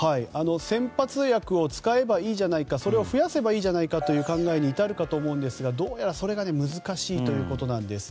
先発薬を使えばいいじゃないかそれを増やせばいいじゃないかという考えに至るかと思いますがどうやらそれが難しいということなんです。